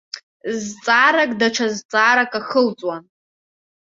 Зҵаарак даҽа зҵаарак ахылҵуан.